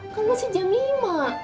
kan masih jam lima